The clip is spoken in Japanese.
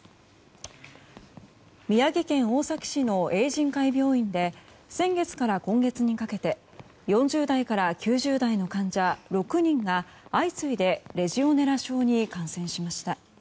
宮城県大崎市の永仁会病院で先月から今月にかけて４０代から９０代の患者６人が相次いでレジオネラ症に感染しました。